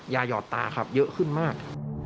หยอดตาครับเยอะขึ้นมาก